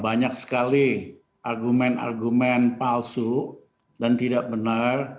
yang paling penting adalah mengatakan bahwa ini adalah argumen palsu dan tidak benar